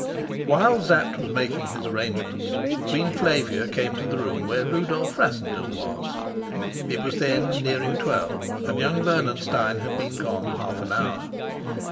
While Sapt was making his arrangements, Queen Flavia came to the room where Rudolf Rassendyll was. It was then nearing twelve, and young Bernenstein had been gone half an hour.